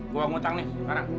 gue mau utang nih sekarang